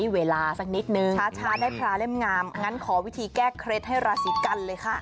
พลาเล่มงามอย่างนั้นขอวิธีแก้เคล็ดให้ราศรีกันเลยค่ะ